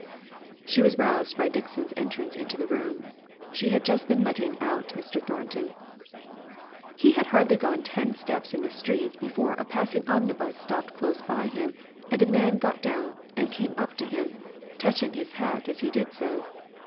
She was roused by Dixon's entrance into the room; she had just been letting out Mr. Thornton. He had hardly gone ten steps in the street, before a passing omnibus stopped close by him, and a man got down, and came up to him, touching his hat as he did so.